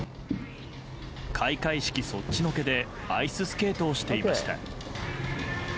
開会式そっちのけでアイススケートをしていました。